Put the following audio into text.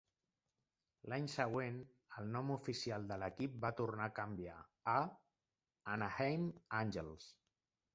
L'any següent, el nom oficial de l'equip va tornar a canviar a "Anaheim Angels".